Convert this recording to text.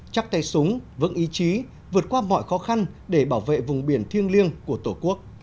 chắc tay súng vững ý chí vượt qua mọi khó khăn để bảo vệ vùng biển thiêng liêng của tổ quốc